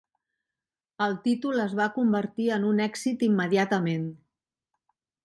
El títol es va convertir en un èxit immediatament.